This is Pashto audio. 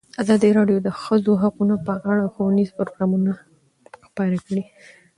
ازادي راډیو د د ښځو حقونه په اړه ښوونیز پروګرامونه خپاره کړي.